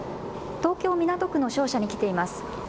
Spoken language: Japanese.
東京港区の商社に来ています。